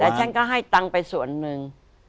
ฉันก็ให้ตังค์ไปส่วนหนึ่ง